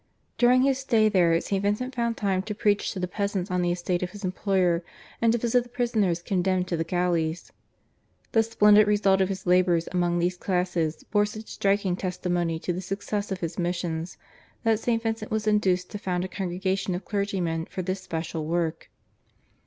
During his stay there St. Vincent found time to preach to the peasants on the estate of his employer, and to visit the prisoners condemned to the galleys. The splendid results of his labours among these classes bore such striking testimony to the success of his missions that St. Vincent was induced to found a congregation of clergymen for this special work.